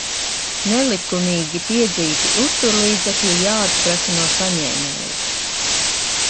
Nelikumīgi piedzīti uzturlīdzekļi jāatprasa no saņēmēja.